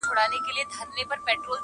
پلونو د تڼاکو مي بیابان راسره وژړل-